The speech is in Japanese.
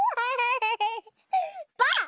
ばあっ！